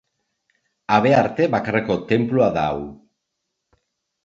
Habearte bakarreko tenplua da hau.